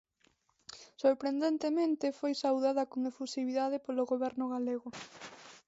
Sorprendentemente, foi saudada con efusividade polo Goberno galego.